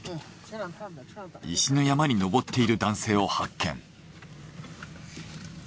石の山に登っている男性を発見。